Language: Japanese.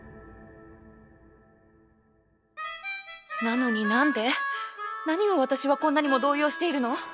なのになんで！？何を私はこんなにも動揺しているの？